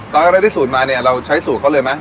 ตอนการได้ได้สูตรมาเนี่ยเราใช้สูตรเค้าเลยมั้ย